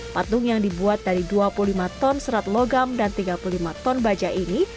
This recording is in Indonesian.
patung yang dibuat dari dua puluh lima ton serat logam dan tiga puluh lima ton baja ini